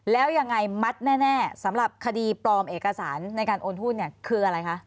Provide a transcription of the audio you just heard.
แล้วยังไงมัดแน่สำหรับคดีปลอมเอกสารในการโอนหุ้นเนี่ยคืออะไรคะ